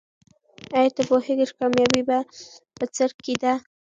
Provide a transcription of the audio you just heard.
آیا ته پوهېږې چې کامیابي په څه کې ده؟